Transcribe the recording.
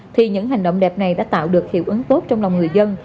thì những hành động đẹp này đã tạo được hiệu ứng tốt trong lòng người dân